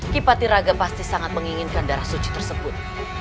kipati raga pasti sangat menginginkan darah suci tersebut